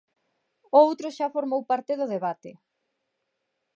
O outro xa formou parte do debate.